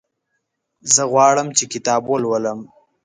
زه غواړم چې کتاب ولولم.